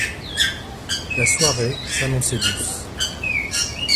La soirée s’annonçait douce.